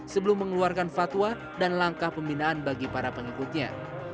sebelum mengeluarkan fatwa dan langkah pembinaan bagi para pengikutnya